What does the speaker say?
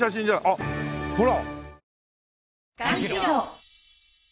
あっほら！